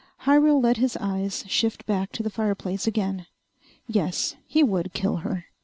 Hyrel let his eyes shift back to the fireplace again. Yes, he would kill her.